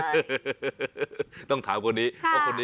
สุดยอดน้ำมันเครื่องจากญี่ปุ่น